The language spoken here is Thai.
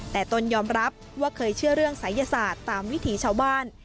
แต่ตนยอมรับว่าเคยเชื่อเรื่องศัยศาสตร์ตามวิถีชาวบ้าน